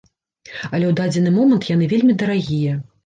Але ў дадзены момант яны вельмі дарагія.